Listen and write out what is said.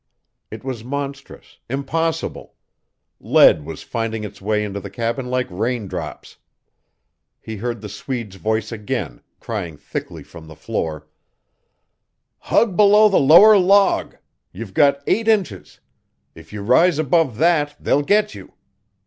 It was monstrous impossible. Lead was finding its way into the cabin like raindrops. He heard the Swede's voice again, crying thickly from the floor: "Hug below the lower log. You've got eight inches. If you rise above that they'll get you."